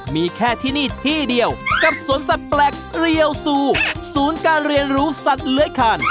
มีแค่ที่นี่ที่เดียวกับสวนสัตว์แปลกเรียวซูศูนย์การเรียนรู้สัตว์เลื้อยคาน